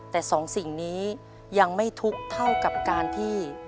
แต่สองสิ่งนี้ยังไม่ทุกข์เท่ากับการที่